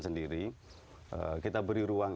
sendiri kita beri ruang